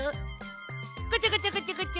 こちょこちょこちょこちょ。